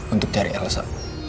untuk cari ilesa